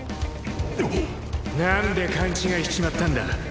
なんで勘違いしちまったんだ